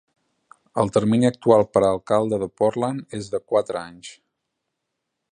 El termini actual per a alcalde de Portland és de quatre anys.